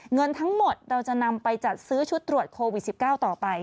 เงินทั้งหมดเราจะนำไปจัดซื้อชุดตรวจโควิด๑๙ต่อไป